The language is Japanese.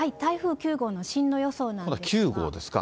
９号ですか。